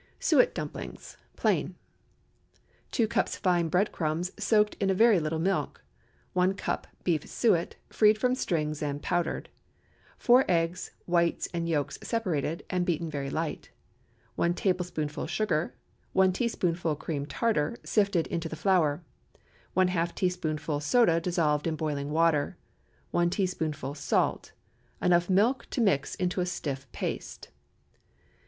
SUET DUMPLINGS (plain.) 2 cups fine bread crumbs, soaked in a very little milk. 1 cup beef suet, freed from strings, and powdered. 4 eggs, whites and yolks separated, and beaten very light. 1 tablespoonful sugar. 1 teaspoonful cream tartar, sifted into the flour. ½ teaspoonful soda dissolved in boiling water 1 teaspoonful salt. Enough milk to mix into a stiff paste.